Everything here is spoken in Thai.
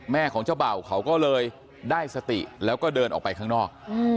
ของเจ้าเบ่าเขาก็เลยได้สติแล้วก็เดินออกไปข้างนอก